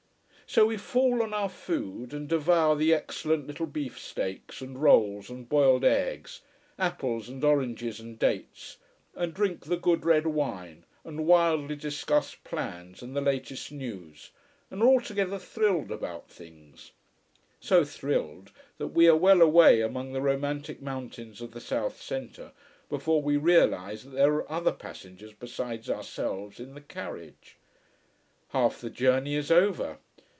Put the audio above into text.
So we fall on our food, and devour the excellent little beef steaks and rolls and boiled eggs, apples and oranges and dates, and drink the good red wine, and wildly discuss plans and the latest news, and are altogether thrilled about things. So thrilled that we are well away among the romantic mountains of the south centre before we realise that there are other passengers besides ourselves in the carriage. Half the journey is over.